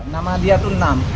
nama dia itu enam